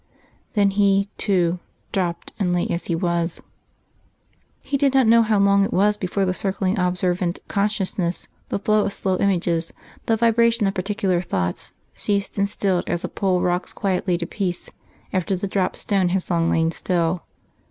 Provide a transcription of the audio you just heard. Then he, too, dropped, and lay as he was.... He did not know how long it was before the circling observant consciousness, the flow of slow images, the vibration of particular thoughts, ceased and stilled as a pool rocks quietly to peace after the dropped stone has long lain still.